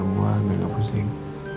aku selalu pusing